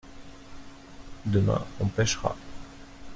Demain on pêchera.